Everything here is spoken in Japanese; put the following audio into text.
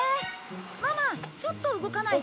ママちょっと動かないで。